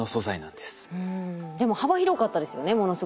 でも幅広かったですよねものすごく。